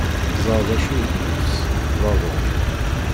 Ẓer d acu i d nnefs: d aḍu.